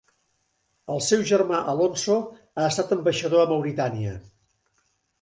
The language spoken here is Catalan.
El seu germà Alonso ha estat ambaixador a Mauritània.